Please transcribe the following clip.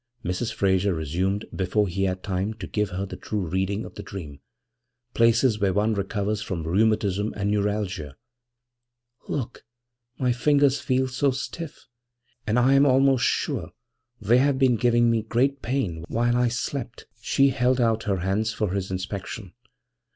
Mrs. Frayser resumed before he had time to give her the true reading of the dream 'places where one recovers from rheumatism and neuralgia? Look my fingers feel so stiff; and I am almost sure they have been giving me great pain while I slept.' She held out her hands for his inspection.